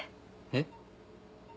えっ？